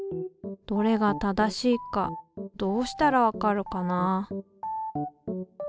どれが正しいかどうしたらわかるかな？